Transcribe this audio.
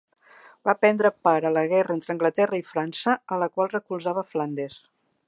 Va prendre part a la guerra entre Anglaterra i França, a la qual recolzava Flandes.